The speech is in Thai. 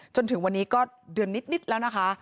จนถึงวันนี้ก็เดือนนิดแล้วนะคะ